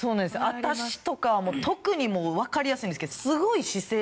私とかはもう特にわかりやすいんですけど。